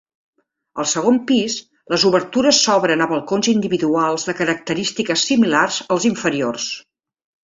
Al segon pis les obertures s'obren a balcons individuals de característiques similars als inferiors.